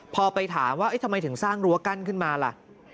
พอไปถามว่าทำไมถึงสร้างรั้วกั้นขึ้นมาล่ะ